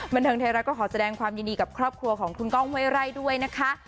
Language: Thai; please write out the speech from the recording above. บันเทิงไทยรัฐก็ขอแสดงความยินดีกับครอบครัวของคุณก้องห้วยไร่ด้วยนะคะ